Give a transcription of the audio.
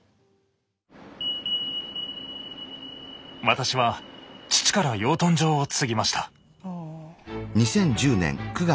私は父から養豚場を継ぎました。